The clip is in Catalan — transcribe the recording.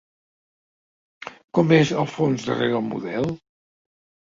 Com és el fons darrere el model?